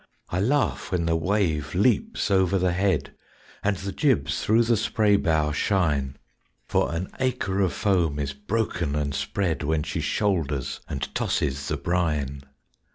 I laugh when the wave leaps over the head And the jibs thro' the spray bow shine, For an acre of foam is broken and spread When she shoulders and tosses the brine.